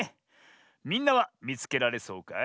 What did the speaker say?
みんなはみつけられそうかい？